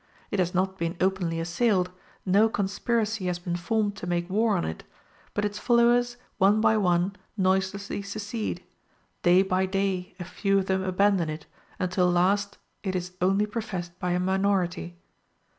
It has not been openly assailed, no conspiracy has been formed to make war on it, but its followers one by one noiselessly secede day by day a few of them abandon it, until last it is only professed by a minority.